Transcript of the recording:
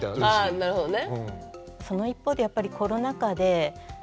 あなるほどね。